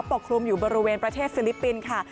กลุ่มอยู่บริเวณประเทศฟิลิปปินส์ค่ะ